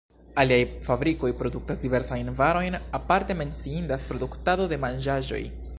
Aliaj fabrikoj produktas diversajn varojn, aparte menciindas produktado de manĝaĵoj.